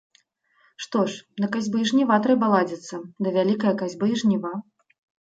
Што ж, да касьбы і жніва трэба ладзіцца, да вялікае касьбы і жніва.